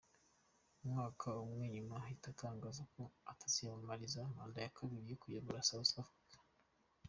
Umwaka umwe nyuma ahita atangaza ko ataziyamamariza manda ya kabiri yo kuyobora South Africa.